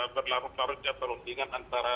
berlarut larut jatuh undingan antara